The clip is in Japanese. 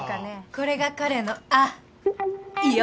これが彼の愛よ